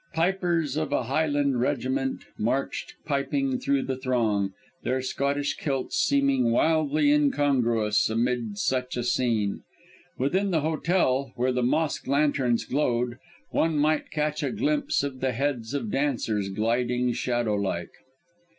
Pipers of a Highland regiment marched piping through the throng, their Scottish kilts seeming wildly incongruous amid such a scene. Within the hotel, where the mosque lanterns glowed, one might catch a glimpse of the heads of dancers gliding shadowlike.